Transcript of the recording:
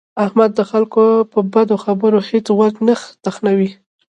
احمد د خلکو په بدو خبرو هېڅ غوږ نه تخنوي.